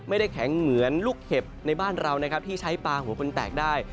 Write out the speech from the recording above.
ไม่ได้แข็งเหมือนลูกเห็บในบ้านเรานะครับที่ใช้ปลาหัวคนแตกได้